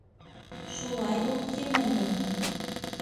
Шулай уҡ тиме ни?!